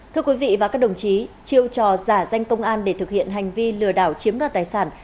thưa quý vị và các đồng chí chiêu trò giả danh công an để thực hiện hành vi lừa đảo chiếm đoạt tài sản